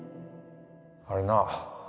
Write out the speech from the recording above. あれな